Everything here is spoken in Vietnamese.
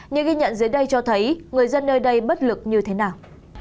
những ghi nhận dưới đây cho thấy người dân nơi đây bất lực như thế nào